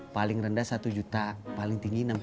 paling rendah satu juta paling tinggi enam lima juta